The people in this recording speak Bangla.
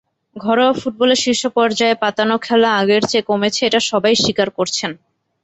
ঘরোয়া ফুটবলে শীর্ষ পর্যায়ে পাতানো খেলা আগের চেয়ে কমেছে, এটা সবাই স্বীকার করছেন।